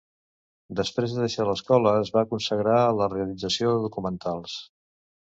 Després de deixar l'escola es va consagrar a la realització de documentals.